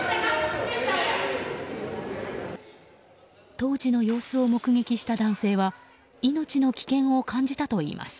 当時の様子を目撃した男性は命の危険を感じたといいます。